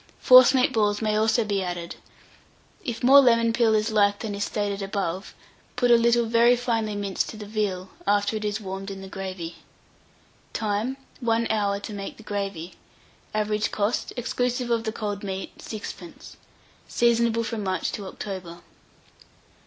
Forcemeat balls may also be added. If more lemon peel is liked than is stated above, put a little very finely minced to the veal, after it is warmed in the gravy. Time. 1 hour to make the gravy. Average cost, exclusive of the cold meat, 6d. Seasonable from March to October.